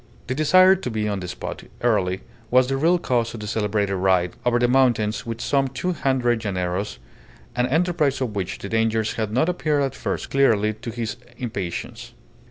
The desire to be on the spot early was the real cause of the celebrated ride over the mountains with some two hundred llaneros, an enterprise of which the dangers had not appeared at first clearly to his impatience.